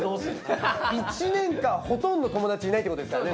１年間ほとんど友達いないってことですからね。